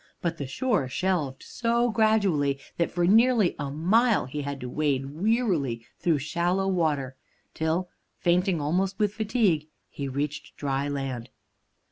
But the shore shelved so gradually that for nearly a mile he had to wade wearily through shallow water, till, fainting almost with fatigue, he reached dry land.